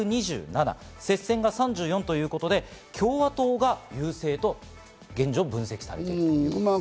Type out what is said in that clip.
接戦が３４ということで共和党が優勢と現状、分析されてます。